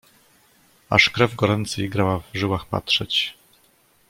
"Aż krew goręcej grała w żyłach patrzeć."